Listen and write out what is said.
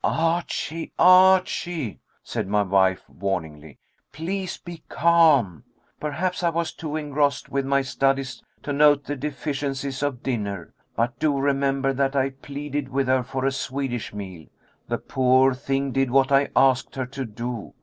"Archie, Archie!" said my wife warningly; "please be calm. Perhaps I was too engrossed with my studies to note the deficiencies of dinner. But do remember that I pleaded with her for a Swedish meal. The poor thing did what I asked her to do.